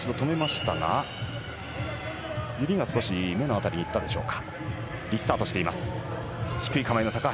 指が少し目の辺りに行ったでしょうか。